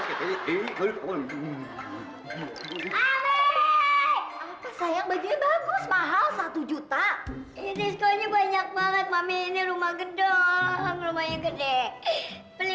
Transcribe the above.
ini sayang bajunya bagus mahal satu juta ini banyak banget mami ini rumah gedor lumayan gede beli